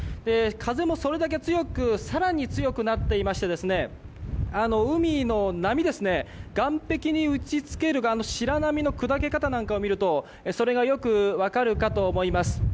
風もそれだけ強く更に強くなっていまして海の波、岸壁に打ち付ける白波の砕け方を見るとそれがよく分かるかと思います。